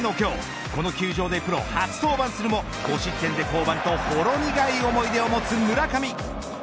先発は２年前の今日この球場でプロ初登板するも５失点で降板とほろ苦い思い出を持つ村上。